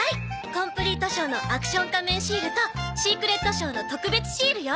コンプリート賞のアクション仮面シールとシークレット賞の特別シールよ。